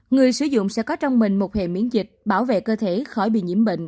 người sử dụng sẽ có trong mình một hệ miễn dịch bảo vệ cơ thể khỏi bị nhiễm bệnh